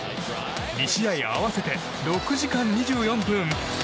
２試合合わせて６時間２４分。